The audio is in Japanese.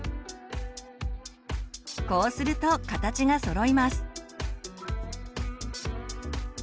こうすると形がそろいます。